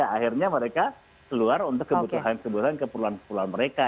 akhirnya mereka keluar untuk kebutuhan kebutuhan keperluan keperluan mereka